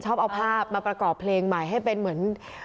ชอบเอาภาพมาประกอบเพลงใหม่ให้เป็นเหมือน